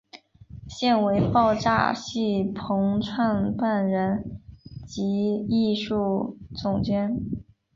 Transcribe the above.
现为爆炸戏棚创办人及艺术总监。